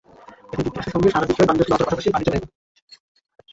এতে যুক্তরাষ্ট্রের সঙ্গে সারা বিশ্বের বাণিজ্য শ্লথ হওয়ার পাশাপাশি বাণিজ্য ব্যয় বাড়বে।